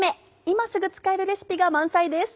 今すぐ使えるレシピが満載です。